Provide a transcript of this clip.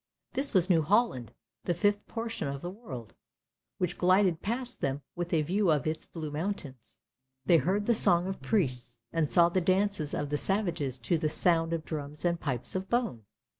This was New Holland, the fifth portion of the world, which glided past them with a view of its blue mountains. They heard the song of priests, and saw the dances of the savages to the sound of drums and pipes of bone.